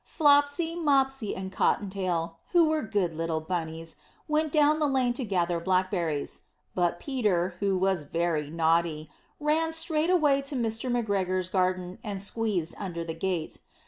Flopsy, Mopsy, and Cotton tail, who were good little bunnies, went down the lane to gather blackberries; but Peter, who was very naughty, ran straight away to Mr. McGregor's garden, and squeezed under the gate.